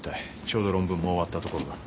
ちょうど論文も終わったところだ。